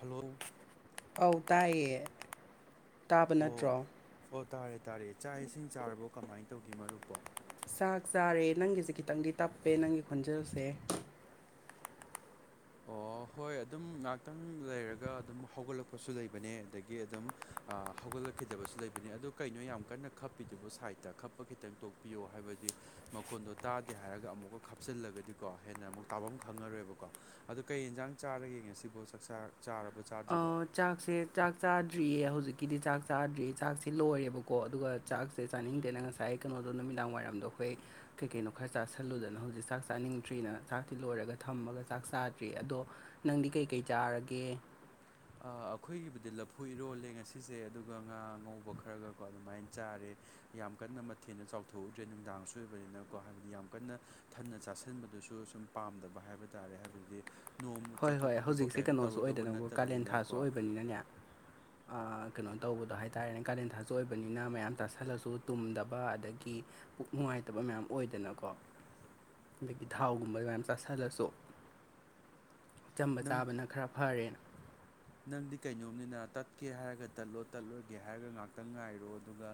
Hello ꯑꯧ ꯇꯥꯏꯌꯦ ꯇꯥꯕ ꯅꯠꯇ꯭ꯔꯣ꯫ ꯍꯣ ꯇꯥꯔꯦ ꯇꯥꯔꯦ ꯆꯥꯛ ꯏꯁꯤꯡ ꯆꯥꯔꯕꯣ ꯀꯃꯥꯏ ꯇꯧꯒꯦ ꯃꯔꯨꯞꯄꯣ꯫ ꯆꯥꯛ ꯆꯥꯔꯦ ꯅꯪꯒꯤꯁꯦ ꯈꯤꯇꯪꯗꯤ ꯇꯞꯄꯦ ꯅꯪꯒꯤ ꯈꯣꯟꯖꯦꯜꯁꯦ꯫ ꯑꯣ ꯍꯣꯏ ꯑꯗꯨꯝ ꯉꯥꯛꯇꯪ ꯂꯩꯔꯒ ꯑꯗꯨꯝ ꯍꯧꯒꯠꯂꯛꯄꯁꯨ ꯂꯩꯕꯅꯦ ꯑꯗꯒꯤ ꯑꯗꯨꯝ ꯍꯧꯒꯠꯂꯛꯈꯤꯗꯕꯁꯨ ꯂꯩꯕꯅꯤ ꯑꯗꯨ ꯀꯩꯅꯣ ꯌꯥꯝ ꯀꯟꯅ ꯈꯞꯄꯤꯗꯨꯕꯨ ꯁꯥꯏꯠꯇ ꯈꯞꯄ ꯈꯤꯇꯪ ꯇꯣꯛꯄꯤꯌꯣ ꯍꯥꯏꯕꯗꯤ ꯃꯈꯣꯟꯗꯣ ꯇꯥꯗꯦ ꯍꯥꯏꯔꯒ ꯑꯃꯨꯛꯀ ꯈꯞꯆꯤꯜꯂꯒꯗꯤꯀꯣ ꯍꯦꯟꯅ ꯑꯃꯨꯛ ꯇꯥꯕꯝ ꯈꯪꯉꯔꯣꯏꯕꯀꯣ꯫ ꯑꯗꯨ ꯀꯩ ꯌꯦꯟꯖꯥꯡ ꯆꯥꯔꯒꯦ ꯉꯁꯤꯕꯨ ꯆꯥꯛ ꯆꯥ ꯆꯥꯔꯕꯣ ꯆꯥꯛ ꯑꯥ ꯆꯥꯛꯁꯦ ꯆꯥꯛ ꯆꯥꯗ꯭ꯔꯤꯌꯦ ꯍꯧꯖꯤꯛꯀꯤꯗꯤ ꯆꯥꯛ ꯆꯥꯗ꯭ꯔꯤ ꯆꯥꯛꯁꯦ ꯂꯣꯏꯔꯦꯕꯀꯣ ꯑꯗꯨꯒ ꯆꯥꯛꯁꯦ ꯆꯥꯅꯤꯡꯗꯦꯅ ꯉꯁꯥꯏ ꯀꯩꯅꯣꯗꯣ ꯅꯨꯃꯤꯗꯥꯡ ꯋꯥꯏꯔꯝꯗꯣ ꯑꯩꯈꯣꯏ ꯀꯩ ꯀꯩꯅꯣ ꯈꯔ ꯆꯥꯥꯁꯤꯜꯂꯨꯗꯅ ꯍꯧꯖꯤꯛ ꯆꯥꯛ ꯆꯥꯅꯤꯡꯗ꯭ꯔꯤꯅ ꯆꯥꯛꯇꯤ ꯂꯣꯏꯔꯒ ꯊꯝꯃꯒ ꯆꯥꯛ ꯆꯥꯗ꯭ꯔꯤ ꯑꯗꯣ ꯅꯪꯗꯤ ꯀꯩꯀꯩ ꯆꯥꯔꯒꯦ꯫ ꯑꯥ ꯑꯩꯈꯣꯏꯒꯤꯕꯨꯗꯤ ꯂꯐꯨ ꯏꯔꯣꯜꯂꯦ ꯉꯁꯤꯁꯦ ꯑꯗꯨꯒ ꯉꯥ ꯑꯉꯧꯕ ꯈꯔꯒꯀꯣ ꯑꯗꯨꯃꯥꯏꯅ ꯆꯥꯔꯦ ꯌꯥꯝ ꯀꯟꯅ ꯃꯊꯦꯟ ꯆꯥꯎꯊꯣꯛꯎꯗ꯭ꯔꯦ ꯅꯨꯡꯗꯥꯡꯁꯨ ꯑꯣꯏꯕꯅꯤꯅꯀꯣ ꯍꯥꯏꯕꯗꯤ ꯌꯥꯝ ꯀꯟꯅ ꯊꯟꯅ ꯆꯥꯁꯤꯟꯕꯗꯨꯁꯨ ꯁꯨꯝ ꯄꯥꯝꯗꯕ ꯍꯥꯏꯕ ꯇꯥꯔꯦ ꯍꯥꯏꯕꯗꯤ ꯅꯣꯡꯃ ꯍꯣꯏ ꯆꯠꯊꯣꯛ ꯍꯣꯏ ꯈꯣꯇꯣꯛꯄ ꯍꯧꯖꯤꯛꯁꯦ ꯀꯩꯝ ꯀꯩꯅꯣꯁꯨ ꯇꯧꯔꯨꯗꯧꯕ ꯅꯠ ꯑꯣꯏꯗꯅꯀꯣ ꯀꯥꯂꯦꯟ ꯊꯥꯁꯨ ꯑꯣꯏꯕꯅꯤꯅꯅꯦ ꯑꯥ ꯀꯩꯅꯣ ꯇꯧꯕꯗꯣ ꯍꯥꯏ ꯇꯥꯔꯦꯅꯦ ꯀꯥꯂꯦꯟ ꯊꯥꯁꯨ ꯑꯣꯏꯕꯅꯤꯅ ꯃꯌꯥꯝ ꯇꯥꯁꯜꯂꯁꯨ ꯇꯨꯝꯗꯕ ꯑꯗꯒꯤ ꯄꯨꯛ ꯅꯨꯡꯉꯥꯏꯇꯕ ꯃꯌꯥꯝ ꯑꯣꯏꯗꯅꯀꯣ ꯑꯗꯒꯤ ꯊꯥꯎꯒꯨꯝꯕ ꯃꯌꯥꯝ ꯆꯥꯥꯁꯜꯂꯁꯨ ꯑꯆꯝꯕ ꯅꯪ ꯆꯥꯕꯅ ꯈꯔ ꯐꯔꯦꯅ꯫ ꯅꯪꯗꯤ ꯀꯩꯅꯣꯝꯅꯤꯅ ꯇꯠꯀꯦ ꯍꯥꯏꯔꯒ ꯇꯠꯂꯣ ꯇꯠꯂꯣꯏꯒꯦ ꯍꯥꯏꯔꯒ ꯉꯥꯛꯇꯪ ꯉꯥꯏꯔꯣ ꯑꯗꯨꯒ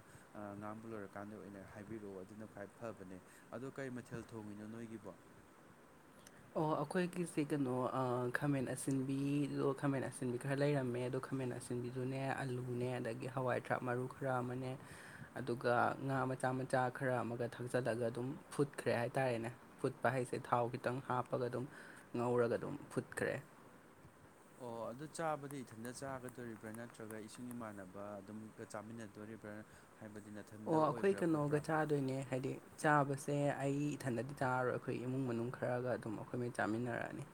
ꯑ ꯉꯥꯡꯕ ꯂꯣꯏꯔꯀꯥꯟꯗ ꯑꯣꯏꯅ ꯍꯥꯏꯕꯤꯔꯛꯑꯣ ꯑꯗꯨꯅ ꯈ꯭ꯋꯥꯏ ꯐꯕꯅꯦ ꯑꯗꯣ ꯀꯩ ꯃꯊꯦꯜ ꯊꯣꯡꯉꯤꯅꯣ ꯅꯣꯏꯒꯤꯕꯣ ꯑꯣ ꯑꯩꯈꯣꯏꯒꯤꯁꯦ ꯀꯩꯅꯣ ꯑꯥ ꯈꯥꯃꯦꯟ ꯑꯁꯤꯟꯕꯤꯗꯣ ꯈꯥꯃꯦꯟ ꯑꯁꯤꯟꯕꯤ ꯈꯔꯥ ꯂꯩꯔꯝꯃꯦ ꯑꯗꯣ ꯈꯥꯃꯦꯟ ꯁꯤꯟꯕꯤꯗꯨꯅꯦ ꯑꯂꯨꯅꯦ ꯑꯗꯒꯤ ꯍꯋꯥꯏ ꯊꯔꯥꯛ ꯃꯔꯨ ꯈꯔ ꯑꯃꯅꯦ ꯑꯗꯨꯒ ꯉꯥ ꯃꯆꯥ ꯃꯆꯥ ꯈꯔ ꯑꯃꯒ ꯊꯥꯛꯆꯜꯂꯒ ꯑꯗꯨꯝ ꯐꯨꯠꯈ꯭ꯔꯦ ꯍꯥꯏꯇꯥꯔꯦꯅꯦ ꯐꯨꯠꯄ ꯍꯥꯏꯁꯦ ꯊꯥꯎ ꯈꯤꯇꯪ ꯍꯥꯞꯄꯒ ꯑꯗꯨꯝ ꯉꯧꯔꯒ ꯑꯗꯨꯝ ꯐꯨꯠꯈ꯭ꯔꯦ ꯑꯣ ꯑꯗꯨ ꯆꯥꯕꯗꯤ ꯏꯊꯟꯇ ꯆꯥꯒꯗꯣꯔꯤꯕ꯭ꯔꯥ ꯅꯠꯇ꯭ꯔꯒ ꯏꯁꯨꯡ ꯏꯃꯥꯟꯅꯕ ꯑꯗꯨꯝꯒ ꯆꯥꯃꯤꯟꯅꯗꯣꯔꯤꯕ꯭ꯔꯥ ꯍꯥꯏꯕꯗꯤ ꯅꯠ ꯑꯣ ꯑꯩꯈꯣꯏ ꯀꯩꯅꯣꯒ ꯆꯥ ꯗꯣꯏꯅꯦ ꯍꯥꯏꯗꯤ ꯆꯥꯕꯁꯦ ꯑꯩ ꯏꯊꯟꯗꯗꯤ ꯆꯥꯔꯔꯣꯏ ꯑꯩꯈꯣꯏ ꯏꯃꯨꯡ ꯃꯅꯨꯡ ꯈꯔꯒ ꯑꯗꯨꯝ ꯑꯩꯈꯣꯏ ꯃꯩ ꯆꯥꯃꯤꯟꯅꯔꯅꯤ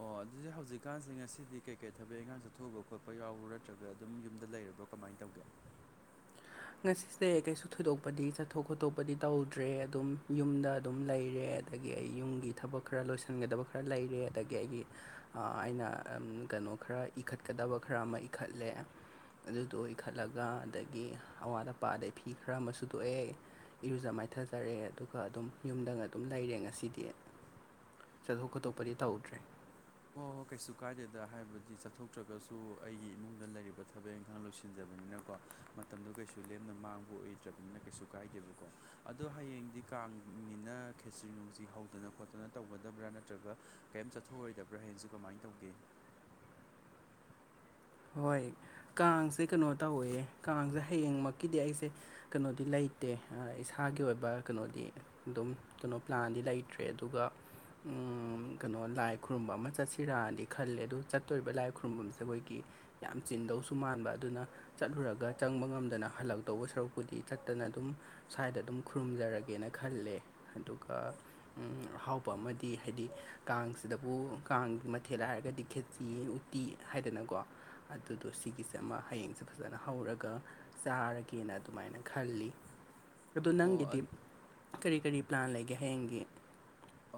ꯑꯣ ꯑꯗꯨꯗꯤ ꯍꯧꯖꯤꯛꯀꯥꯟꯁꯦ ꯉꯁꯤꯗꯤ ꯀꯩꯀꯩ ꯊꯕꯛ ꯏꯪꯈꯥꯡ ꯆꯠꯊꯣꯛꯎꯕ ꯈꯣꯠꯄ ꯌꯥꯎꯕꯔ ꯅꯠꯇ꯭ꯔꯒ ꯑꯗꯨꯝ ꯌꯨꯝꯗ ꯂꯩꯔꯕꯣ ꯀꯃꯥꯏ ꯇꯧꯒꯦ ꯉꯁꯤꯁꯦ ꯀꯩꯁꯨ ꯊꯣꯏꯗꯣꯛꯄꯗꯤ ꯆꯠꯊꯣꯛ ꯈꯣꯠꯇꯣꯛꯄꯗꯤ ꯇꯧꯗ꯭ꯔꯦ ꯑꯗꯨꯝ ꯌꯨꯝꯗ ꯑꯗꯨꯝ ꯂꯩꯔꯦ ꯑꯗꯒꯤ ꯑꯩ ꯌꯨꯝꯒꯤ ꯊꯕꯛ ꯈꯔ ꯂꯣꯏꯁꯤꯟꯒꯗꯕ ꯈꯔ ꯂꯩꯔꯦ ꯑꯗꯒꯤ ꯑꯩꯒꯤ ꯑꯥ ꯑꯩꯅ ꯑꯝ ꯀꯩꯅꯣ ꯈꯔ ꯏꯈꯠꯀꯗꯕ ꯈꯔ ꯑꯃ ꯏꯈꯠꯂꯦ ꯑꯗꯨꯗꯣ ꯏꯈꯠꯂꯒ ꯑꯗꯒꯤ ꯑꯋꯥꯠ ꯑꯄꯥ ꯑꯗꯒꯤ ꯐꯤ ꯈꯔ ꯑꯃꯥ ꯁꯨꯗꯣꯛꯑꯦ ꯏꯔꯨꯖ ꯃꯥꯏꯊꯖꯔꯦ ꯑꯗꯨꯒ ꯑꯗꯨꯝ ꯌꯨꯝꯗꯒ ꯑꯗꯨꯝ ꯂꯩꯔꯦ ꯉꯁꯤꯗꯤ ꯆꯠꯊꯣꯛ ꯀꯣꯠꯊꯣꯛꯄꯗꯤ ꯇꯧꯗ꯭ꯔꯦ ꯍꯣ ꯍꯣ ꯀꯩꯁꯨ ꯀꯥꯏꯗꯦꯗ ꯍꯥꯏꯕꯗꯤ ꯆꯠꯊꯣꯛꯇ꯭ꯔꯒꯁꯨ ꯑꯩꯒꯤ ꯏꯃꯨꯡꯗ ꯂꯩꯔꯤꯕ ꯊꯕꯛ ꯏꯪꯈꯥꯡ ꯂꯣꯏꯁꯤꯟꯖꯕꯅꯤꯅꯀꯣ ꯃꯇꯝꯗꯣ ꯀꯩꯁꯨ ꯂꯦꯝꯅ ꯃꯥꯡꯕ ꯑꯣꯏꯗ꯭ꯔꯕꯅꯤꯅ ꯀꯩꯁꯨ ꯀꯥꯏꯗꯦꯕꯀꯣ ꯑꯗꯣ ꯍꯌꯦꯡꯗꯤ ꯀꯥꯡꯅꯤꯅ ꯈꯦꯆ꯭ꯔꯤ ꯅꯨꯡꯆ꯭ꯔꯤ ꯍꯧꯗꯅ ꯈꯣꯠꯇꯅ ꯇꯧꯒꯗꯕ꯭ꯔꯥ ꯅꯠꯇ꯭ꯔꯒ ꯀꯦꯝ ꯆꯠꯊꯣꯛꯑꯣꯏꯗꯕ ꯕ꯭ꯔ ꯍꯌꯦꯡꯁꯦ ꯀꯃꯥꯏꯅ ꯇꯧꯒꯦ ꯍꯣꯏ ꯀꯥꯡꯁꯦ ꯀꯩꯅꯣ ꯇꯧꯋꯦ ꯀꯥꯡꯁꯦ ꯍꯌꯦꯡꯃꯛꯀꯤꯗꯤ ꯑꯩꯁꯦ ꯀꯩꯅꯣꯗꯤ ꯂꯩꯇꯦ ꯑꯥ ꯏꯁꯥꯒꯤ ꯑꯣꯏꯕ ꯀꯩꯅꯣꯗꯤ ꯑꯗꯨꯝ ꯀꯩꯅꯣ ꯄ꯭ꯂꯥꯟꯗꯤ ꯂꯩꯇ꯭ꯔꯦ ꯑꯗꯨꯒ ꯎꯝ ꯀꯩꯅꯣ ꯂꯥꯏ ꯈꯨꯔꯨꯝꯕ ꯑꯃ ꯆꯠꯁꯤꯔꯗꯤ ꯈꯜꯂꯦ ꯑꯗꯨ ꯆꯠꯇꯣꯔꯤꯕ ꯂꯥꯏ ꯈꯨꯔꯨꯝꯐꯝꯁꯦ ꯑꯩꯈꯣꯏꯒꯤ ꯌꯥꯝ ꯆꯤꯟꯗꯧꯁꯨ ꯃꯥꯟꯕ ꯑꯗꯨꯅ ꯆꯠꯂꯨꯔꯒ ꯆꯪꯕ ꯉꯝꯗꯅ ꯍꯜꯂꯛꯇꯧꯕ ꯁꯔꯨꯛꯄꯨꯗꯤ ꯆꯠꯇꯅ ꯑꯗꯨꯝ ꯁ꯭ꯋꯥꯏꯗ ꯑꯗꯨꯝ ꯈꯨꯔꯨꯝꯖꯔꯒꯦꯅ ꯈꯜꯂꯦ ꯑꯗꯨꯒ ꯎꯝ ꯑꯍꯥꯎꯕ ꯑꯃꯗꯤ ꯍꯥꯏꯗꯤ ꯀꯥꯡꯁꯤꯗꯕꯨ ꯀꯥꯡꯒꯤ ꯃꯊꯦꯜ ꯍꯥꯏꯔꯒꯗꯤ ꯈꯦꯠꯆꯤ ꯇꯤ ꯍꯥꯏꯗꯅꯀꯣ ꯑꯗꯨꯗꯣ ꯁꯤꯒꯤꯁꯦ ꯑꯃ ꯍꯌꯦꯡꯁꯦ ꯐꯖꯅ ꯍꯧꯔꯒ ꯆꯥꯔꯒꯦꯅ ꯑꯗꯨꯃꯥꯏꯅ ꯈꯜꯂꯤ ꯑꯗꯨ ꯑꯣ ꯅꯪꯒꯤꯗꯤ ꯑꯠ ꯀꯔꯤ ꯀꯔꯤ ꯄ꯭ꯂꯥꯟ ꯂꯩꯒꯦ ꯍꯌꯦꯡꯒꯤ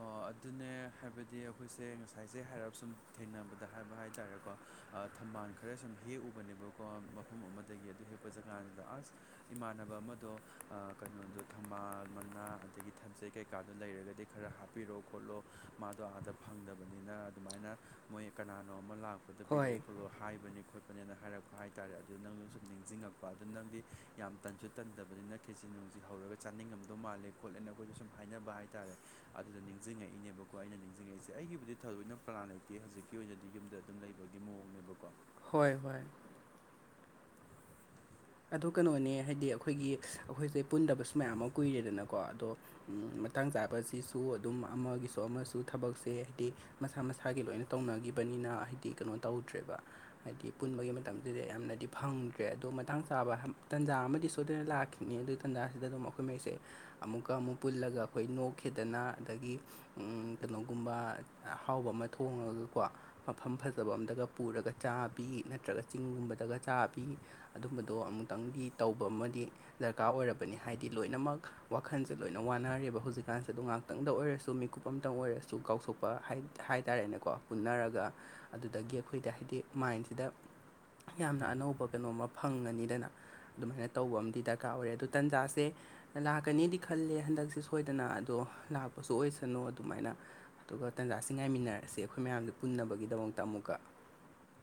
ꯑꯣ ꯑꯗꯨꯅꯦ ꯍꯥꯏꯕꯗꯤ ꯑꯩꯈꯣꯏꯁꯦ ꯉꯁꯥꯏꯁꯦ ꯍꯥꯏꯔꯞ ꯁꯨꯝ ꯊꯦꯡꯅꯕꯗ ꯍꯥꯏꯕ ꯍꯥꯏ ꯇꯥꯔꯦꯀꯣ ꯑꯥ ꯊꯝꯕꯥꯜ ꯈꯔ ꯁꯨꯝ ꯍꯦꯛꯎꯕꯅꯦꯕꯀꯣ ꯃꯐꯝ ꯑꯃꯗꯒꯤ ꯑꯗꯨ ꯍꯦꯛꯄ ꯆꯠꯀꯥꯟꯁꯤꯗ ꯑꯁ ꯏꯃꯥꯟꯅꯕ ꯑꯃꯗꯣ ꯑꯥ ꯀꯩꯅꯣꯗꯣ ꯊꯝꯕꯥꯜ ꯃꯅꯥ ꯑꯗꯒꯤ ꯊꯝꯖꯦꯠ ꯀꯩꯀꯥꯗꯣ ꯂꯩꯔꯒꯗꯤ ꯈꯔ ꯍꯥꯞꯄꯤꯔꯣ ꯈꯣꯠꯂꯣ ꯃꯥꯗꯣ ꯑꯥꯗ ꯐꯪꯗꯕꯅꯤꯅ ꯑꯗꯨꯃꯥꯏꯅ ꯃꯣꯏ ꯀꯅꯥꯅꯣ ꯑꯃ ꯂꯥꯛ ꯄꯗ ꯄꯤꯔꯛꯑꯣ ꯍꯣꯏ ꯈꯣꯠꯂꯣ ꯍꯥꯏꯕꯅꯦ ꯈꯣꯠꯄꯅꯦꯅ ꯍꯥꯏꯔꯛꯄ ꯍꯥꯏꯇꯥꯔꯦ ꯑꯗꯨ ꯅꯪꯗꯣ ꯁꯨꯝ ꯅꯤꯡꯁꯤꯡꯉꯛꯄ ꯑꯗꯨ ꯅꯪꯗꯤ ꯌꯥꯝ ꯇꯟꯁꯨ ꯇꯟꯗꯕꯅꯤꯅ ꯈꯦꯆꯤ ꯅꯨꯡꯆꯤ ꯍꯧꯔꯒ ꯆꯥꯅꯤꯡꯉꯝꯗꯧ ꯃꯥꯜꯂꯦ ꯈꯣꯠꯂꯦꯅ ꯑꯩꯈꯣꯏꯗꯨ ꯁꯨꯝ ꯍꯥꯏꯅꯕ ꯍꯥꯏꯇꯥꯔꯦ ꯑꯗꯨꯗ ꯅꯤꯡꯁꯤꯡꯉꯛꯏꯅꯦꯕꯀꯣ ꯑꯩꯅ ꯅꯤꯡꯁꯤꯡꯉꯛꯏꯁꯦ ꯑꯩꯒꯤꯕꯨꯗꯤ ꯊꯋꯣꯏꯅ ꯄ꯭ꯂꯥꯟ ꯂꯩꯇꯦ ꯍꯧꯖꯤꯛꯀꯤ ꯑꯣꯏꯅꯗꯤ ꯌꯨꯝꯗ ꯑꯗꯨꯝ ꯂꯩꯕꯒꯤ ꯃꯑꯣꯡꯅꯦꯕꯀꯣ ꯍꯣꯏ ꯍꯣꯏ ꯑꯗꯣ ꯀꯩꯅꯣꯅꯦ ꯍꯥꯏꯗꯤ ꯑꯩꯈꯣꯏꯒꯤ ꯑꯩꯈꯣꯏꯁꯦ ꯄꯨꯟꯗꯕꯁꯨ ꯃꯌꯥꯝ ꯑꯃ ꯀꯨꯏꯔꯦꯗꯅꯀꯣ ꯑꯗꯣ ꯃꯇꯥꯡ ꯆꯥꯕꯁꯤꯁꯨ ꯑꯗꯨꯝ ꯑꯃꯒꯤꯁꯨ ꯑꯃꯁꯨ ꯊꯕꯛꯁꯦ ꯍꯥꯏꯗꯤ ꯃꯁꯥ ꯃꯁꯥꯒꯤ ꯂꯣꯏꯅ ꯇꯧꯅꯒꯤꯕꯅꯤꯅ ꯍꯥꯏꯗꯤ ꯀꯩꯅꯣ ꯇꯧꯗ꯭ꯔꯦꯕ ꯍꯥꯏꯗꯤ ꯄꯨꯟꯕꯒꯤ ꯃꯇꯝꯗꯨꯗ ꯌꯥꯝꯅꯗꯤ ꯐꯪꯗ꯭ꯔꯦ ꯑꯗꯨ ꯃꯇꯥꯡ ꯆꯥꯕ ꯇꯟꯖꯥ ꯑꯃꯗꯤ ꯁꯣꯏꯗꯅ ꯂꯥꯛꯈꯤꯅꯤ ꯑꯗꯨ ꯇꯥꯟꯖꯥꯁꯤꯗꯗꯨꯝ ꯑꯩꯈꯣꯏ ꯃꯩꯁꯦ ꯑꯃꯨꯛꯀ ꯑꯃꯨꯛ ꯄꯨꯜꯂꯒ ꯑꯈꯣꯏ ꯅꯣꯛꯈꯦꯗꯅ ꯑꯗꯒꯤ ꯎꯝ ꯀꯩꯅꯣꯒꯨꯝꯕ ꯑꯍꯥꯎꯕ ꯑꯃ ꯊꯣꯡꯉꯒꯀꯣ ꯃꯐꯝ ꯐꯖꯕ ꯑꯝꯗꯒ ꯄꯨꯔꯒ ꯆꯥꯕꯤ ꯅꯠꯇ꯭ꯔꯒ ꯆꯤꯡꯒꯨꯝꯕꯗꯒ ꯆꯥꯕꯤ ꯑꯗꯨꯝꯕ ꯗꯣ ꯑꯃꯨꯛꯇꯪꯗꯤ ꯇꯧꯕ ꯑꯃꯗꯤ ꯗꯔꯀꯥꯔ ꯑꯣꯏꯔꯕꯅꯤ ꯍꯥꯏꯗꯤ ꯂꯣꯏꯅꯃꯛ ꯋꯥꯈꯟꯁꯦ ꯂꯣꯏꯅ ꯋꯥꯅꯔꯦꯕ ꯍꯧꯖꯤꯛꯀꯥꯟꯁꯦ ꯑꯗꯨ ꯉꯥꯛ ꯇꯪꯗ ꯑꯣꯏꯔꯁꯨ ꯃꯤꯀꯨꯞ ꯑꯝꯇꯪ ꯑꯣꯏꯔꯁꯨ ꯀꯥꯎꯊꯣꯛꯄ ꯍꯥꯏ ꯍꯥꯏꯇꯥꯔꯦꯅꯦꯀꯣ ꯄꯨꯟꯅꯔꯒ ꯑꯗꯨꯗꯒꯤ ꯑꯩꯈꯣꯏꯗ ꯍꯥꯏꯗꯤ ꯃꯥꯏꯟꯁꯤꯗ ꯌꯥꯝꯅ ꯑꯅꯧꯕ ꯀꯩꯅꯣꯝꯃꯥ ꯐ ꯐꯪꯉꯅꯤꯗꯅ ꯑꯗꯨꯃꯥꯏꯅ ꯇꯧꯕ ꯑꯝꯗꯤ ꯗꯔꯀꯥꯔ ꯑꯣꯏꯔꯦ ꯑꯗꯨ ꯇꯟꯖꯥꯁꯦ ꯂꯥꯛꯀꯅꯤꯗꯤ ꯈꯜꯂꯦ ꯍꯟꯗꯛꯁꯦ ꯁꯣꯏꯗꯅ ꯑꯗꯣ ꯂꯥꯛꯄꯁꯨ ꯑꯣꯏꯁꯅꯣ ꯑꯗꯨꯃꯥꯏꯅ ꯑꯗꯨꯒ ꯇꯟꯖꯥꯁꯤ ꯉꯥꯏꯃꯤꯟꯅꯔꯁꯦ ꯑꯩꯈꯣꯏ ꯃꯌꯥꯝꯒꯤ ꯄꯨꯟꯅꯕꯒꯤꯗꯃꯛꯇ ꯑꯃꯨꯛꯀ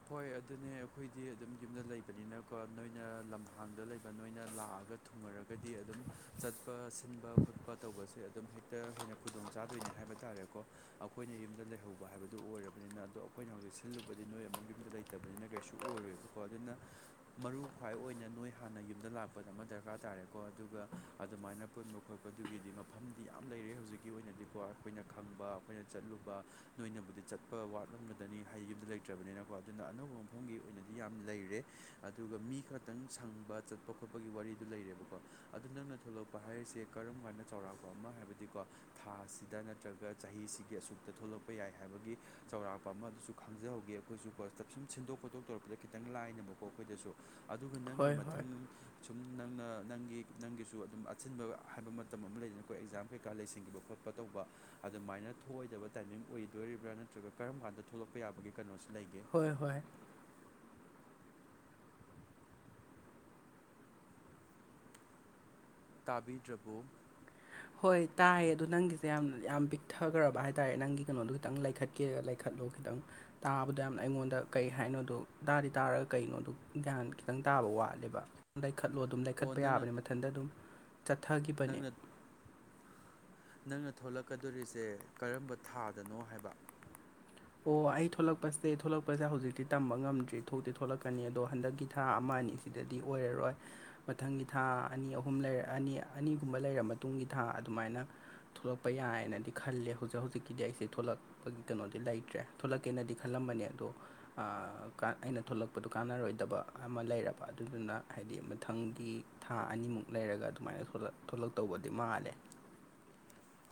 ꯍꯣꯏ ꯑꯗꯨꯅꯦ ꯑꯈꯣꯏꯗꯤ ꯑꯗꯨꯝ ꯌꯨꯝꯗ ꯂꯩꯕꯅꯤꯅꯀꯣ ꯅꯣꯏꯅ ꯂꯝꯍꯥꯡꯗ ꯂꯩꯕ ꯅꯣꯏꯅ ꯂꯥꯛꯑꯒ ꯊꯨꯡꯉꯔꯒꯗꯤ ꯑꯗꯨꯝ ꯆꯠꯄ ꯁꯤꯟꯕ ꯈꯣꯠꯄ ꯇꯧꯕꯁꯦ ꯑꯗꯨꯝ ꯍꯦꯛꯇ ꯍꯦꯟꯅ ꯈꯨꯗꯣꯡ ꯆꯥꯗꯣꯏꯅꯦ ꯍꯥꯏꯕ ꯇꯥꯔꯦꯀꯣ ꯑꯈꯣꯏꯅ ꯌꯨꯝꯗ ꯂꯩꯍꯧꯕ ꯍꯥꯏꯕꯗꯨ ꯑꯣꯏꯔꯕꯅꯤꯅ ꯑꯗꯣ ꯈꯣꯏꯅ ꯍꯧꯖꯤꯛ ꯁꯤꯜꯂꯨꯕꯗꯤ ꯅꯣꯏ ꯑꯃꯨꯛ ꯌꯨꯝꯗ ꯂꯩꯇꯕꯅꯤꯅ ꯀꯩꯁꯨ ꯑꯣꯏꯔꯣꯏꯕꯀꯣ ꯑꯗꯨꯅ ꯃꯔꯨ ꯈ꯭ꯋꯥꯏ ꯑꯣꯏꯅ ꯅꯣꯏ ꯍꯥꯟꯅ ꯌꯨꯝꯗ ꯂꯥꯛꯄ ꯗꯃ ꯗꯔꯀꯥꯔ ꯇꯥꯔꯦꯀꯣ ꯑꯗꯨꯒ ꯑꯗꯨꯃꯥꯏꯅ ꯄꯨꯟꯕ ꯈꯣꯠꯄꯗꯨꯒꯤꯗꯤ ꯃꯐꯝꯗꯤ ꯌꯥꯝ ꯂꯩꯔꯦ ꯍꯧꯖꯤꯛꯀꯤ ꯑꯣꯏꯅꯗꯤꯀꯣ ꯑꯩꯈꯣꯏꯅ ꯈꯪꯕ ꯑꯩꯈꯣꯏꯅ ꯆꯠꯂꯨꯕ ꯅꯣꯏꯅꯕꯨꯗꯤ ꯆꯠꯄ ꯋꯥꯠꯂꯝꯒꯗꯅꯤ ꯍꯩ ꯌꯨꯝꯗ ꯂꯩꯇ꯭ꯔꯕꯅꯤꯅ ꯀꯣ ꯑꯗꯨꯅ ꯑꯅꯧꯕ ꯃꯐꯝꯒꯤ ꯑꯣꯏꯅꯗꯤ ꯌꯥꯝ ꯂꯩꯔꯦ ꯑꯗꯨꯒ ꯃꯤ ꯈꯛꯇꯪ ꯁꯪꯕ ꯆꯠ ꯄ ꯈꯣꯠꯄꯒꯤ ꯋꯥꯔꯤꯗꯣ ꯂꯩꯔꯦꯕꯀꯣ ꯑꯗꯨ ꯅꯪꯅ ꯊꯣꯛꯂꯛꯄ ꯍꯥꯏꯔꯤꯁꯦ ꯀꯔꯝ ꯒꯥꯟꯗ ꯆꯥꯎꯔꯥꯛꯄ ꯑꯃ ꯍꯥꯏꯕꯗꯤꯀꯣ ꯊꯥꯁꯤꯗ ꯅꯠꯇ꯭ꯔꯒ ꯆꯍꯤꯁꯤꯒꯤ ꯑꯁꯨꯛꯇ ꯊꯣꯛꯂꯛꯄ ꯌꯥꯏ ꯍꯥꯏꯕꯒꯤ ꯆꯥꯎꯔꯥꯛꯄ ꯑꯃ ꯑꯗꯨꯁꯨ ꯈꯪꯖꯍꯧꯒꯦ ꯈꯣꯏꯁꯨꯀꯣ ꯆꯞꯁꯨꯝ ꯁꯤꯟꯗꯣꯛ ꯈꯣꯠꯇꯣꯛ ꯇꯧꯔꯛꯄꯗ ꯈꯤꯇꯪ ꯂꯥꯏꯅꯕꯀꯣ ꯑꯩꯈꯣꯏꯗꯁꯨ ꯑꯗꯨꯒ ꯅꯪꯒꯤ ꯍꯣꯏ ꯍꯣꯏ ꯃꯊꯪ ꯁꯨꯝ ꯅꯪꯅ ꯅꯪꯒꯤ ꯅꯪꯒꯤꯁꯨ ꯑꯗꯨꯝ ꯑꯆꯤꯟꯕ ꯍꯥꯏꯕ ꯃꯇꯝ ꯑꯃꯥ ꯂꯩꯗꯅ ꯀꯣ ꯑꯦꯛꯖꯥꯝ ꯀꯩꯀꯥ ꯂꯩꯁꯤꯟꯈꯤꯕ ꯈꯣꯠ ꯄ ꯇꯧꯕ ꯑꯗꯨꯃꯥꯏꯅ ꯊꯣꯛꯑꯣꯏꯗꯕ ꯇꯥꯏꯃꯤꯡ ꯑꯣꯏꯗꯣꯔꯤꯕ꯭ꯔꯥ ꯅꯠꯇ꯭ꯔꯒ ꯀꯔꯝ ꯒꯥꯟꯗ ꯊꯣꯛꯂꯛꯄ ꯌꯥꯕꯒꯤ ꯀꯩꯅꯣꯁꯦ ꯂꯩꯒꯦ ꯍꯣꯏ ꯍꯣꯏ ꯇꯥꯕꯤꯗ꯭ꯔꯕꯣ ꯍꯣꯏ ꯇꯥꯏꯌꯦ ꯑꯗꯣ ꯅꯪꯒꯤꯖꯦ ꯌꯥꯝ ꯌꯥꯝ ꯄꯤꯛꯊꯒꯔ꯭ꯕ ꯍꯥꯏꯇꯥꯔꯦ ꯅꯪꯒꯤ ꯀꯩꯅꯣꯗꯣ ꯈꯤꯇꯪ ꯂꯩꯈꯠꯀꯦꯒ ꯂꯩꯈꯠꯂꯣ ꯈꯤꯇꯪ ꯇꯥꯕꯗꯣ ꯌꯥꯝ ꯑꯩꯉꯣꯟꯗ ꯀꯩ ꯍꯥꯏꯅꯣꯗꯣ ꯇꯥꯗꯤ ꯇꯥꯔ ꯀꯩꯅꯣꯗꯨ ꯒ꯭ꯌꯥꯟ ꯈꯤꯇꯪ ꯇꯥꯕ ꯋꯥꯠꯂꯦꯕꯥ ꯂꯩꯈꯠꯂꯣ ꯑꯗꯨꯝ ꯑꯣ ꯂꯩꯈꯠꯄ ꯅꯪꯅ ꯌꯥꯕꯅꯦ ꯃꯊꯟꯗ ꯑꯗꯨꯝ ꯆꯠꯊꯒꯤꯕꯅꯦ ꯅꯪꯅ ꯅꯪꯅ ꯊꯣꯂꯛꯀꯗꯣꯔꯤꯁꯦ ꯀꯔꯝꯕ ꯊꯥꯗꯅꯣ ꯍꯥꯏꯕ ꯑꯣ ꯑꯩ ꯊꯣꯂꯛꯄꯁꯦ ꯊꯣꯂꯛꯄꯁꯦ ꯍꯧꯖꯤꯛꯇꯤ ꯇꯝꯕ ꯉꯝꯗ꯭ꯔꯤ ꯊꯣꯛꯇꯤ ꯊꯣꯛꯂꯛꯀꯅꯤ ꯑꯗꯣ ꯍꯟꯗꯛꯀꯤ ꯊꯥ ꯑꯃꯥ ꯑꯅꯤꯁ ꯗꯗꯤ ꯑꯣꯏꯔꯔꯣꯏ ꯃꯊꯪꯒꯤ ꯊꯥ ꯑꯅꯤ ꯑꯍꯨꯝ ꯂꯩꯔ ꯑꯅꯤ ꯑꯅꯤꯒꯨꯝꯕ ꯂꯩꯔꯝ ꯃꯇꯨꯡꯒꯤ ꯊꯥ ꯑꯗꯨꯃꯥꯏꯅ ꯊꯣꯂꯛꯄ ꯌꯥꯏꯅꯗꯤ ꯈꯜꯂꯦ ꯍꯧꯖꯤꯛ ꯍꯧꯖꯤꯛꯀꯤꯗꯤ ꯑꯩꯁꯦ ꯊꯣꯛꯂꯛꯄꯒꯤ ꯀꯩꯅꯣꯗꯤ ꯂꯩ ꯇꯔ꯭ꯦ ꯊꯣꯛꯂꯛꯀꯦꯅꯗꯤ ꯈꯜꯂꯝꯕꯅꯦ ꯑꯗꯣ ꯑꯥ ꯀꯥꯟ ꯑꯩꯅ ꯊꯣꯂꯛꯄꯗꯣ ꯀꯥꯟꯅꯔꯣꯏꯗꯕ ꯑꯃꯥ ꯂꯩꯔꯕ ꯑꯗꯨꯗꯨꯅ ꯍꯥꯏꯗꯤ ꯃꯊꯪꯒꯤ ꯊꯥ ꯑꯅꯤꯃꯨꯛ ꯂꯩꯔꯒ ꯑꯗꯨꯃꯥꯏꯅ ꯊꯣꯂꯛ ꯊꯣꯂꯛꯇꯧꯕꯗꯤ ꯃꯥꯜꯂꯦ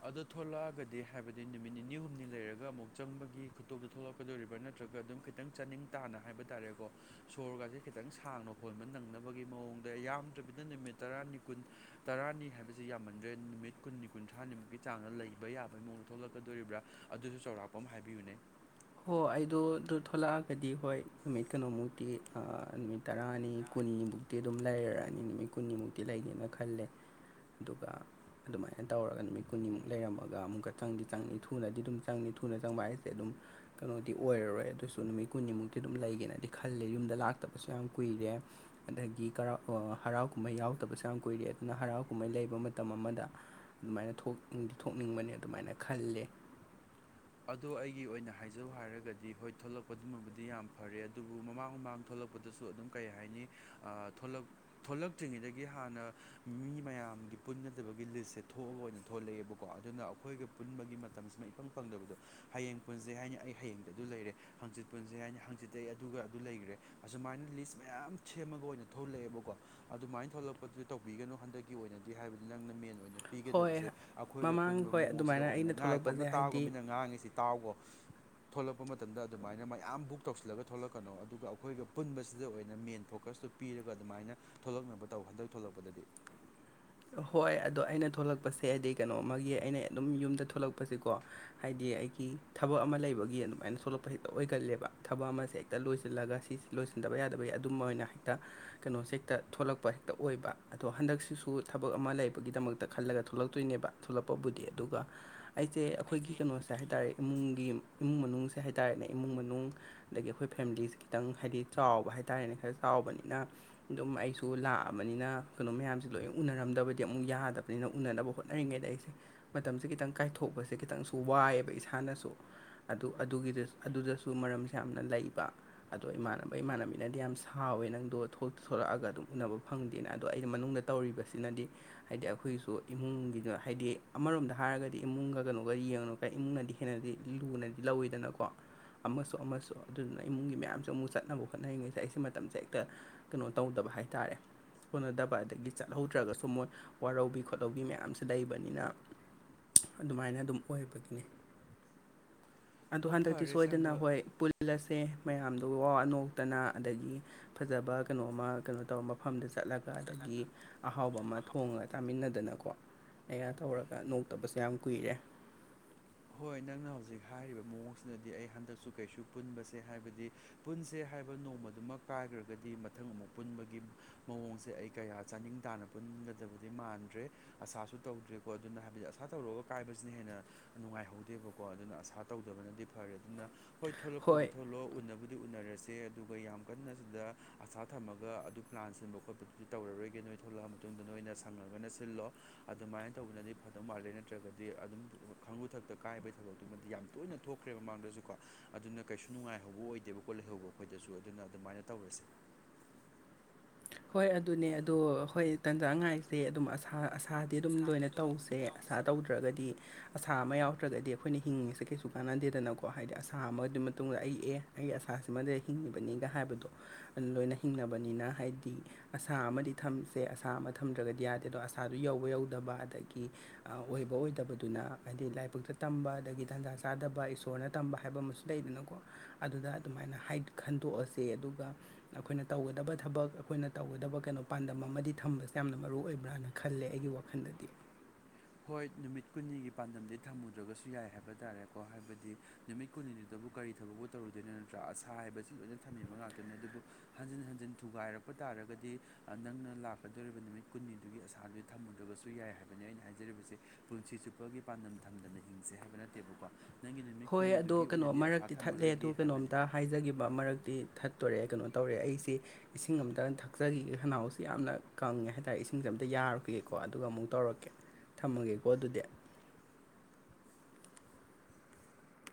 ꯑꯗꯨ ꯊꯣꯛꯂꯛꯑꯒꯗꯤ ꯍꯥꯏꯕꯗꯤ ꯅꯨꯃꯤꯠ ꯅꯤꯅꯤ ꯍꯨꯝꯅꯤ ꯂꯩꯔꯒ ꯑꯃꯨꯛ ꯆꯪꯕꯒꯤ ꯈꯨꯇꯣꯛꯇꯤ ꯊꯣꯛꯂꯛ ꯀꯗꯣꯔꯤꯕꯔ꯭ ꯅꯠꯇ꯭ꯔꯒ ꯑꯗꯨꯝ ꯈꯤꯇꯪ ꯆꯥꯅꯤꯡ ꯇꯥꯅ ꯍꯥꯏꯕ ꯇꯥꯔꯦꯀꯣ ꯁꯣꯔꯒꯁꯦ ꯈꯤꯇꯪ ꯁꯥꯡꯅ ꯍꯣꯟꯕ ꯅꯪꯅꯕꯒꯤ ꯃꯑꯣꯡꯗ ꯌꯥꯝꯗ꯭ꯔꯕꯤꯗ ꯅꯨꯃꯤꯠ ꯇꯔꯥꯅꯤ ꯀꯨꯟ ꯇꯔꯥꯅꯤ ꯍꯥꯏꯕꯖꯦ ꯌꯥꯝꯃꯟꯗ꯭ꯔꯦ ꯅꯨꯃꯤꯠ ꯀꯨꯟꯅꯤ ꯀꯨꯟ ꯊꯥꯅꯤꯃꯨꯛꯀꯤ ꯆꯥꯡꯗ ꯂꯩꯕ ꯌꯥꯕꯩ ꯃꯑꯣꯡꯗ ꯊꯣꯛꯂꯛꯀꯗꯣꯔꯤꯕ꯭ꯔꯥ ꯑꯗꯨꯁꯨ ꯆꯧꯔꯥꯛꯄ ꯑꯝ ꯍꯥꯏꯕꯤꯌꯨꯅꯦ ꯍꯣ ꯑꯩꯗꯣ ꯑꯗꯨ ꯊꯣꯂꯛꯑꯒꯗꯤ ꯍꯣꯏ ꯅꯨꯃꯤꯠ ꯀꯩꯅꯣꯃꯨꯛꯇꯤ ꯑꯥ ꯅꯨꯃꯤꯠ ꯇꯔꯥꯅꯤ ꯀꯨꯟꯅꯤꯃꯨꯛꯇꯤ ꯑꯗꯨꯝ ꯂꯩꯔꯛꯑꯅꯤ ꯅꯨꯃꯤꯠ ꯀꯨꯟꯅꯤꯃꯨꯛꯇꯤ ꯂꯩꯒꯦꯅ ꯈꯜꯂꯦ ꯑꯗꯨꯒ ꯑꯗꯨꯃꯥꯏꯅ ꯇꯧꯔꯒ ꯅꯨꯃꯤꯠ ꯀꯨꯟꯅꯤꯃꯨꯛ ꯂꯩꯔꯝꯃꯒ ꯑꯃꯨꯛꯀ ꯆꯪꯗꯤ ꯆꯪꯅꯤ ꯊꯨꯅꯗꯤ ꯑꯗꯨꯝ ꯆꯪꯅꯤ ꯊꯨꯅ ꯆꯪꯕ ꯍꯥꯏꯁꯦ ꯑꯗꯨꯝ ꯀꯩꯅꯣꯗꯤ ꯑꯣꯏꯔꯔꯣꯏ ꯑꯗꯨꯁꯨ ꯅꯨꯃꯤꯠ ꯀꯨꯟꯅꯤꯃꯨꯛꯇꯤ ꯑꯗꯨꯝ ꯂꯩꯒꯦꯅꯗꯤ ꯈꯜꯂꯦ ꯌꯨꯝꯗ ꯂꯥꯛꯇꯕꯁꯨ ꯌꯥꯝ ꯀꯨꯏꯔꯦ ꯑꯗꯒꯤ ꯀꯔꯥꯎ ꯑꯥ ꯍꯔꯥꯎ ꯀꯨꯝꯍꯩ ꯌꯥꯎꯗꯕꯁꯨ ꯌꯥꯝ ꯀꯨꯏꯔꯦ ꯑꯗꯨꯅ ꯍꯔꯥꯎ ꯀꯨꯝꯍꯩ ꯂꯩꯕ ꯃꯇꯝ ꯑꯃꯥꯗ ꯑꯗꯨꯃꯥꯏꯅ ꯊꯣꯛꯇꯤ ꯊꯣꯛꯅꯤꯡꯕꯅꯦ ꯑꯗꯨꯃꯥꯏꯅ ꯈꯜꯂꯦ ꯑꯗꯣ ꯑꯩꯒꯤ ꯑꯣꯏꯅ ꯍꯥꯏꯖꯧ ꯍꯥꯏꯔꯒꯗꯤ ꯍꯣꯏ ꯊꯣꯛꯂꯛꯄꯗꯨꯃꯕꯨꯗꯤ ꯌꯥꯝ ꯐꯔꯦ ꯑꯗꯨꯕꯨ ꯃꯃꯥꯡ ꯃꯃꯥꯡ ꯊꯣꯛꯂꯛ ꯄꯗꯁꯨ ꯑꯗꯨꯝ ꯀꯩ ꯍꯥꯏꯅꯤ ꯑꯥ ꯊꯣꯛꯂꯛ ꯊꯣꯛꯂꯛꯇ꯭ꯔꯤꯉꯩꯗꯒꯤ ꯍꯥꯟꯅ ꯃꯤ ꯃꯌꯥꯝꯒꯤ ꯄꯨꯟꯒꯗꯕꯒꯤ ꯂꯤꯁꯁꯦ ꯊꯣꯛꯒ ꯑꯣꯏꯅ ꯊꯣꯛꯂꯛꯑꯦꯕ ꯀꯣ ꯑꯗꯨꯅ ꯑꯩꯈꯣꯏꯒ ꯄꯨꯟꯕꯒꯤ ꯃꯇꯝꯁꯤꯃꯥ ꯏꯐꯪ ꯐꯪꯗꯕꯗꯣ ꯍꯌꯦꯡ ꯄꯨꯟꯖꯦ ꯍꯥꯏꯅꯤ ꯑꯩ ꯍꯌꯦꯡꯗꯨ ꯑꯗꯨ ꯂꯩꯔꯦ ꯍꯥꯡꯆꯤꯠ ꯄꯨꯟꯖꯦ ꯍꯥꯏꯅꯤ ꯍꯥꯡꯆꯤꯠꯇꯤ ꯑꯩ ꯑꯗꯨꯒ ꯑꯗꯨ ꯂꯩꯒ꯭ꯔꯦ ꯑꯁꯨꯃꯥꯏꯅ ꯂꯤꯁ ꯃꯌꯥꯝ ꯁꯦꯝꯃꯒ ꯑꯣꯏꯅ ꯊꯣꯛꯂꯛꯑꯦꯕꯀꯣ ꯑꯗꯨꯃꯥꯏ ꯊꯣꯛꯂꯛꯄꯗꯨ ꯇꯧꯕꯤꯒꯅꯨ ꯍꯟꯗꯛꯀꯤ ꯑꯣꯏꯅꯗꯤ ꯍꯥꯏꯕꯗꯤ ꯅꯪꯅ ꯃꯦꯟ ꯑꯣꯏꯅ ꯍꯣꯏ ꯄꯤꯒꯗꯕꯁꯦ ꯑꯩꯈꯣꯏꯒꯤ ꯃꯃꯥꯡ ꯄꯨꯟꯕ ꯍꯣꯏ ꯃꯑꯣꯡꯁꯤꯗ ꯑꯗꯨꯃꯥꯏꯅ ꯑꯣꯏꯅ ꯑꯩꯅ ꯉꯥꯏꯈꯣ ꯊꯣꯛꯂꯛꯄꯁꯦ ꯑꯝꯇ ꯇꯥꯒꯣ ꯍꯥꯏꯗꯤ ꯃꯤꯅ ꯉꯥꯡꯉꯤꯁꯤ ꯇꯥꯎꯒꯣ ꯊꯣꯛꯂꯛꯄ ꯃꯇꯝꯗ ꯑꯗꯨꯃꯥꯏꯅ ꯃꯌꯥꯝ ꯕꯨꯛ ꯇꯧꯁꯤꯜꯂꯒ ꯊꯣꯛꯂꯛꯀꯅꯣ ꯑꯗꯨꯒ ꯑꯩꯈꯣꯏꯒ ꯄꯨꯟꯕꯁꯤꯗ ꯑꯣꯏꯅ ꯃꯦꯟ ꯐꯣꯀꯁꯇꯨ ꯄꯤꯔꯒ ꯑꯗꯨꯃꯥꯏꯅ ꯊꯣꯛꯂꯛꯅꯕ ꯇꯧ ꯍꯟꯗꯛ ꯊꯣꯛꯂꯛꯄꯗꯗꯤ ꯍꯣꯏ ꯑꯗꯣ ꯑꯩꯅ ꯊꯣꯛꯂꯛꯄꯁꯦ ꯍꯥꯏꯗꯤ ꯀꯩꯅꯣ ꯑꯃꯒꯤ ꯑꯩꯅ ꯑꯗꯨꯝ ꯌꯨꯝꯗ ꯊꯣꯛꯂꯛꯄꯖꯤꯀꯣ ꯍꯥꯏꯗꯤ ꯑꯩꯒꯤ ꯊꯕꯛ ꯑꯃ ꯂꯩꯕꯒꯤ ꯑꯗꯨꯃꯥꯏꯅ ꯊꯣꯛꯂꯛꯄ ꯍꯦꯛꯇ ꯑꯣꯏꯒꯜꯂꯦꯕ ꯊꯕꯛ ꯑꯃꯁꯦ ꯍꯦꯛꯇ ꯂꯣꯏꯁꯤꯜꯂꯒ ꯁꯤ ꯂꯣꯏꯁꯤꯟꯗꯕ ꯌꯥꯗꯕꯒꯤ ꯑꯗꯨꯝꯕ ꯑꯣꯏꯅ ꯍꯦꯛꯇ ꯀꯩꯅꯣꯁꯦ ꯍꯦꯛꯇ ꯊꯣꯛꯂꯛꯄ ꯍꯦꯛꯇ ꯑꯣꯏꯕ ꯑꯗꯣ ꯍꯟꯗꯛꯁꯤꯁꯨ ꯊꯕꯛ ꯑꯃ ꯂꯩꯕꯒꯤꯗꯃꯛꯇ ꯈꯜꯂꯒ ꯊꯣꯛꯂꯛꯇꯣꯏꯅꯦꯕ ꯊꯣꯛꯂꯛꯄꯕꯨꯗꯤ ꯑꯗꯨꯒ ꯑꯩꯁꯦ ꯑꯈꯣꯏꯒꯤ ꯀꯩꯅꯣꯁꯦ ꯍꯥꯏꯇꯥꯔꯦ ꯏꯃꯨꯡꯒꯤ ꯏꯃꯨꯡ ꯃꯅꯨꯡꯁꯦ ꯍꯥꯏꯇꯥꯔꯦꯅꯦ ꯏꯃꯨꯡ ꯃꯅꯨꯡ ꯑꯗꯒꯤ ꯑꯈꯣꯏ ꯐꯦꯃꯤꯂꯤꯁꯦ ꯈꯤꯇꯪ ꯍꯥꯏꯗꯤ ꯆꯥꯎꯕ ꯍꯥꯏꯇꯥꯥꯔꯦꯅꯦ ꯈꯔ ꯆꯥꯎꯕꯅꯤꯅ ꯑꯗꯨꯝ ꯑꯩꯁꯨ ꯂꯥꯛꯑꯕꯅꯤꯅ ꯀꯩꯅꯣ ꯃꯌꯥꯝꯁꯤ ꯂꯣꯏ ꯎꯅꯔꯝꯗꯕꯗꯤ ꯑꯃꯨꯛ ꯌꯥꯗꯕꯅꯤꯅ ꯎꯅꯥꯅꯕ ꯍꯣꯠꯅꯔꯤꯉꯩꯗ ꯑꯩꯁꯦ ꯃꯇꯝꯁꯤ ꯈꯤꯇꯪ ꯀꯥꯏꯊꯣꯛꯄꯁꯦ ꯈꯤꯇꯪꯁꯨ ꯋꯥꯏꯌꯦꯕ ꯏꯁꯥꯅꯁꯨ ꯑꯗꯨ ꯑꯗꯨꯒꯤꯗꯁꯨ ꯑꯗꯨꯗꯁꯨ ꯃꯔꯝꯁꯦ ꯌꯥꯝꯅ ꯂꯩꯕ ꯑꯗꯣ ꯏꯃꯥꯟꯅꯕ ꯏꯃꯥꯟꯅꯕꯤꯅꯗꯤ ꯌꯥꯝ ꯁꯥꯎꯋꯦ ꯅꯪꯗꯣ ꯊꯣꯛꯇꯤ ꯊꯣꯛꯂꯛꯑꯒ ꯑꯗꯨꯝ ꯎꯅꯕ ꯐꯪ ꯗꯦꯅ ꯑꯗꯣ ꯑꯩꯅ ꯃꯅꯨꯡꯗ ꯇꯧꯔꯤꯕꯁꯤꯅꯗꯤ ꯍꯥꯏꯗꯤ ꯑꯩꯈꯣꯏꯒꯤꯁꯨ ꯏꯃꯨꯡꯒꯤꯗ ꯍꯥꯏꯗꯤ ꯑꯃꯔꯣꯝꯗ ꯍꯥꯏꯔꯒꯗꯤ ꯏꯃꯨꯡꯒ ꯀꯩꯅꯣꯒ ꯌꯦꯡꯅ ꯏꯃꯨꯡꯅꯗꯤ ꯍꯦꯟꯅꯗꯤ ꯂꯨꯅꯗꯤ ꯂꯧꯋꯤꯗꯅꯀꯣ ꯑꯃꯁꯨ ꯑꯃꯁꯨ ꯑꯗꯨꯗꯨꯅ ꯏꯃꯨꯡꯒꯤ ꯃꯌꯥꯝꯁꯨ ꯑꯃꯨꯛ ꯆꯠꯅꯕ ꯍꯣꯠꯅꯔꯤꯉꯩꯗ ꯑꯩꯁꯦ ꯃꯇꯝꯁꯦ ꯍꯦꯛꯇ ꯀꯩꯅꯣ ꯇꯧꯗꯕ ꯍꯥꯏ ꯇꯥꯔꯦ ꯀꯣꯟꯅꯗꯕ ꯑꯗꯒꯤ ꯆꯠ ꯍꯧꯗ꯭ꯔꯒꯁꯨ ꯃꯣꯏ ꯋꯥꯔꯧꯕꯤ ꯈꯣꯠꯂꯧꯕꯤ ꯃꯌꯥꯝꯁꯤ ꯂꯩꯕꯅꯤꯅ ꯑꯗꯨꯃꯥꯏꯅ ꯑꯗꯨꯝ ꯑꯣꯏꯕꯒꯤꯅꯦ ꯑꯗꯨ ꯍꯣ ꯍꯟꯗꯛꯇꯤ ꯐꯔꯦ ꯁꯣꯏꯗꯅ ꯁꯪꯒ ꯍꯣꯏ ꯄꯨꯜ ꯂꯁꯦ ꯃꯌꯥꯝꯗꯣ ꯋꯥꯋꯥ ꯅꯣꯛꯇꯅ ꯑꯗꯒꯤ ꯐꯖꯕ ꯀꯩꯅꯣ ꯑꯃ ꯀꯩꯅꯣ ꯇꯧꯔꯒ ꯃꯐꯝꯗ ꯆꯠꯂꯒ ꯑꯗꯒꯤ ꯑꯍꯥꯎꯕ ꯑꯃ ꯊꯣꯡꯉꯒ ꯆꯥꯃꯤꯟꯅꯗꯅꯀꯣ ꯑꯩꯒ ꯇꯧꯔꯒ ꯅꯣꯛꯇꯕꯁꯨ ꯌꯥꯝ ꯀꯨꯏꯔꯦ ꯍꯣꯏ ꯅꯪꯅ ꯍꯧꯖꯤꯛ ꯍꯥꯏꯔꯤꯕ ꯃꯑꯣꯡꯁꯤꯅꯗꯤ ꯑꯩ ꯍꯟꯗꯛꯁꯨ ꯀꯩꯁꯨ ꯄꯨꯟꯕꯁꯦ ꯍꯥꯏꯕꯗꯤ ꯄꯨꯟꯁꯦ ꯍꯥꯏꯕ ꯅꯣꯡꯃꯥꯗꯨꯃꯥ ꯀꯥꯏꯒꯔꯥꯒꯗꯤ ꯃꯊꯪ ꯑꯃꯨꯛ ꯄꯨꯟꯕꯒꯤ ꯃꯑꯣꯡꯁꯦ ꯑꯩ ꯀꯌꯥ ꯆꯥꯅꯤꯡ ꯇꯥꯅ ꯄꯨꯟꯒꯗꯕꯗꯤ ꯃꯥꯟꯗ꯭ꯔꯦ ꯑꯁꯥꯁꯨ ꯇꯧꯗ꯭ꯔꯦꯀꯣ ꯑꯗꯨꯅ ꯍꯥꯏꯕꯗꯤ ꯑꯁꯥ ꯇꯧꯔꯨꯔꯒ ꯀꯥꯏꯕꯁꯤꯅ ꯍꯦꯟꯅ ꯅꯨꯡꯉꯥꯏꯍꯧꯗꯦꯕꯀꯣ ꯑꯗꯨꯅ ꯑꯁꯥ ꯇꯧꯗꯕꯅꯗꯤ ꯐꯔꯦ ꯑꯗꯨꯅ ꯍꯣꯏ ꯊꯣꯛꯂꯛꯄꯕꯨꯗꯤ ꯊꯣꯛꯂꯣ ꯎꯟꯅꯕꯨꯗꯤ ꯎꯅꯔꯁꯤ [unintelligible] ꯑꯗꯨꯒ ꯌꯥꯝ ꯀꯟꯅ ꯁꯤꯗ ꯑꯁꯥ ꯊꯝꯃꯒ ꯑꯗꯨ ꯄ꯭ꯂꯥꯟ ꯁꯤꯟꯕ ꯈꯣꯠꯄꯗꯨꯗꯤ ꯇꯧꯔꯔꯣꯏꯒꯦ ꯅꯣꯏ ꯊꯣꯛꯂꯛꯑ ꯃꯇꯨꯡꯗ ꯅꯣꯏꯅ ꯁꯪꯉꯒꯅ ꯁꯤꯜꯂꯣ ꯑꯗꯨꯃꯥꯏꯅ ꯇꯧꯕꯅꯗꯤ ꯐꯗꯧ ꯃꯥꯜꯂꯦ ꯅꯠꯇ꯭ꯔꯒꯗꯤ ꯑꯗꯨꯝ ꯈꯥꯉꯨ ꯊꯛꯇ ꯀꯥꯏꯕꯩ ꯊꯕꯛꯇꯨꯃꯗꯤ ꯌꯥꯝ ꯇꯣꯏꯅ ꯊꯣꯛꯈ꯭ꯔꯦ ꯃꯃꯥꯡꯗꯁꯨꯀꯣ ꯑꯗꯨꯅ ꯀꯩꯁꯨ ꯅꯨꯡꯉꯥꯏꯍꯧꯕ ꯑꯣꯏꯗꯦꯕ ꯀꯣ ꯂꯩꯍꯧꯕ ꯑꯈꯣꯏꯗꯁꯨ ꯑꯗꯨꯅ ꯑꯗꯨꯃꯥꯏꯅ ꯇꯧꯔꯁꯤ ꯍꯣꯏ ꯑꯗꯨꯅꯦ ꯑꯗꯣ ꯍꯣꯏ ꯇꯥꯟꯖ ꯉꯥꯏ [unintelligible] ꯑꯗꯨꯝ ꯑꯁꯥ ꯑꯁꯥꯗꯤ ꯑꯗꯨꯝ ꯂꯣꯏꯅ ꯇꯧꯁꯦ ꯑꯁꯥ ꯇꯧꯗ꯭ꯔꯒꯗꯤ ꯑꯁꯥ ꯑꯃ ꯌꯥꯎꯇ꯭ꯔꯒꯗꯤ ꯑꯈꯣꯏꯅ ꯍꯤꯡꯉꯤꯁꯦ ꯀꯩꯁꯨ ꯀꯥꯟꯅꯗꯦꯗꯅꯀꯣ ꯍꯥꯏꯗꯤ ꯑꯁꯥ ꯑꯃꯗꯨ ꯃꯇꯨꯡꯗ ꯑꯩ ꯑꯦ ꯑꯩ ꯑꯁꯥꯁꯤꯃꯗ ꯍꯤꯡꯉꯤꯕꯅꯤꯒ ꯍꯥꯏꯕꯗꯣ ꯑꯗꯨ ꯂꯣꯏꯅ ꯍꯤꯡꯅꯕꯅꯤꯅ ꯍꯥꯏ ꯑꯁꯥ ꯑꯃꯗꯤ ꯊꯝꯁꯦ ꯑꯁꯥ ꯑꯃ ꯊꯝꯗ꯭ꯔꯒꯗꯤ ꯌꯥꯗꯦꯗꯣ ꯑꯁꯥꯗꯨ ꯌꯧꯕ ꯌꯧꯗꯕ ꯑꯗꯒꯤ ꯑ ꯑꯣꯏꯕ ꯑꯣꯏꯗꯕꯗꯨꯅ ꯍꯥꯏꯗꯤ ꯂꯥꯏꯕꯛꯇ ꯇꯝꯕ ꯑꯗꯒꯤ ꯇꯟꯖꯥ ꯆꯥꯗꯕ ꯏꯁꯣꯔꯅ ꯇꯝꯕ ꯍꯥꯏꯕ ꯑꯃꯁꯨ ꯂꯩꯗꯅꯀꯣ ꯑꯗꯨꯅ ꯑꯗꯨꯃꯥꯏꯅ ꯍꯥꯢ ꯈꯟꯗꯣꯛꯑꯁꯦ ꯑꯗꯨꯒ ꯑꯈꯣꯏꯅ ꯇꯧꯒꯗꯕ ꯊꯕꯛ ꯑꯈꯣꯏꯅ ꯇꯧꯒꯗꯕ ꯀꯩꯅꯣ ꯄꯥꯟꯗꯝ ꯑꯃꯗꯤ ꯊꯝꯕꯁꯦ ꯌꯥꯝꯅ ꯃꯔꯨ ꯑꯣꯏꯕ꯭ꯔꯥꯅ ꯈꯜꯂꯦ ꯑꯩꯒꯤ ꯋꯥꯈꯜꯗꯗꯤ ꯍꯣꯏ ꯅꯨꯃꯤꯠ ꯀꯨꯟꯅꯤꯒꯤ ꯄꯥꯟꯗꯝꯗꯤ ꯊꯝꯃꯨꯗ꯭ꯔꯒꯁꯨ ꯌꯥꯏ ꯍꯥꯏꯕ ꯇꯥꯔꯦꯀꯣ ꯍꯥꯏꯕꯗꯤ ꯅꯨꯃꯤꯠ ꯀꯨꯟꯅꯤꯗꯕꯨ ꯀꯔꯤ ꯊꯕꯛꯄꯨ ꯇꯧꯔꯨꯗꯣꯏꯅꯣ ꯅꯠꯇ꯭ꯔꯥ ꯑꯁꯥ ꯍꯥꯏꯕꯁꯤ ꯂꯣꯏꯅ ꯊꯝꯃꯤꯕ ꯉꯥꯛꯇꯅꯤ ꯑꯗꯨꯕꯨ ꯍꯟꯖꯤꯟ ꯍꯟꯖꯤꯟ ꯊꯨꯒꯥꯏꯔꯛꯄ ꯇꯥꯔꯒꯗꯤ ꯅꯪꯅ ꯂꯥꯛꯀꯗꯣꯔꯤꯕ ꯅꯨꯃꯤꯠ ꯀꯨꯟꯅꯤꯗꯨꯒꯤ ꯑꯁꯥꯗꯨ ꯊꯝꯃꯨꯗ꯭ꯔꯒꯁꯨ ꯌꯥꯏ ꯍꯥꯏꯕꯅꯤ ꯑꯩꯅ ꯍꯥꯏ ꯖꯔꯤꯕꯁꯦ ꯄꯨꯟꯁꯤ ꯆꯨꯞꯄꯒꯤ ꯄꯥꯟꯗꯝ ꯊꯝꯗꯅ ꯍꯤꯡꯁꯦ ꯍꯥꯏꯕ ꯅꯠꯇꯦꯕꯀꯣ ꯅꯪꯒꯤ ꯅꯨꯃꯤꯠ ꯍꯣꯏ ꯑꯗꯣ ꯀꯨꯟꯅꯤꯗꯨꯒꯤ ꯑꯣꯏꯅꯗꯤ ꯑꯁꯥ ꯊꯝꯃꯔꯣꯏꯒꯦ ꯍꯥꯏꯕꯅꯦ ꯍꯥꯏꯖꯒꯦꯕ ꯃꯔꯛꯇꯤ ꯊꯠꯇꯣꯔꯦ ꯀꯩꯅꯣ ꯇꯧꯔꯦ ꯑꯩꯁꯤ ꯏꯁꯤꯡ ꯑꯝꯇ ꯊꯛꯆꯒꯤꯒꯦ ꯈꯅꯥꯎꯁꯤ ꯌꯥꯝꯅ ꯀꯪꯉꯦ ꯍꯥꯏꯇꯥꯔꯦ ꯏꯁꯤꯡꯁꯦ ꯑꯝꯇ ꯌꯥꯔꯨꯈꯤꯒꯦꯀꯣ ꯑꯗꯨꯒ ꯑꯃꯨꯛ ꯇꯧꯔꯛꯀꯦ ꯊꯝꯃꯒꯦꯀꯣ ꯑꯗꯨꯗꯤ